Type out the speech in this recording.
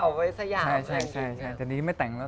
ตอนแรกยาวกว่านี้แล้วเพิ่งตัดได้๒อาทิตย์มั้งค่ะ